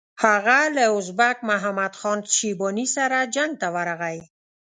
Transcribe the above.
هغه له ازبک محمد خان شیباني سره جنګ ته ورغی.